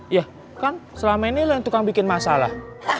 iya kan selama ini lo yang tukang bikin masalah